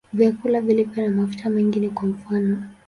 Vyakula vilivyo na mafuta mengi ni kwa mfano.